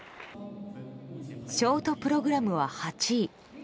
ショートプログラムは８位。